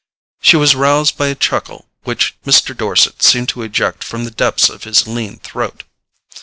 She was roused by a chuckle which Mr. Dorset seemed to eject from the depths of his lean throat.